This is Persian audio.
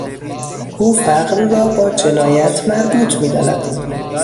او فقر را با جنایت مربوط میداند.